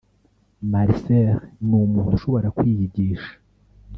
Marcel ni umuntu ushobora kwiyigisha